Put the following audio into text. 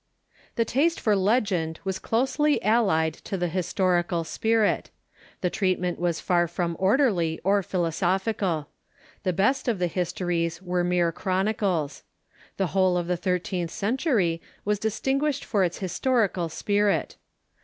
The taste for legend was closely allied to the historical spii it. The treatment was far from orderly or philosophical. The best ... of the histories were mere chronicles. The whole of Historians ,,.,,•■.,,,.,. the thirteenth century was distinguished for its his torical spirit.